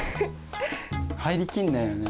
入り切んないよね。